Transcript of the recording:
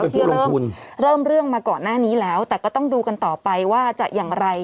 เขาเป็นผู้ร่วมคุณเริ่มเรื่องมาก่อนหน้านี้แล้วแต่ก็ต้องดูกันต่อไปว่าจะอย่างไร